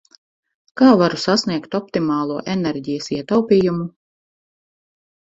Kā varu sasniegt optimālo enerģijas ietaupījumu?